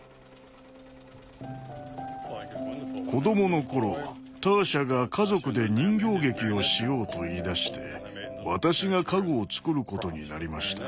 子どもの頃ターシャが「家族で人形劇をしよう」と言いだして私が家具を作ることになりました。